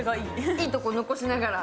いいとこ残しながら。